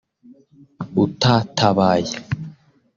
utatabaye